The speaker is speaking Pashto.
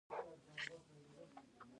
د ساینسي کتابونو کمښت یوه ستونزه ده.